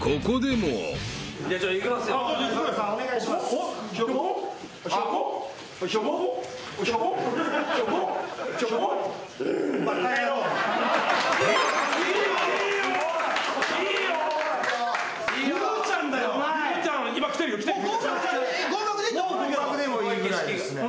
もう合格でもいいぐらいですね。